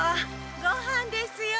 ごはんですよ！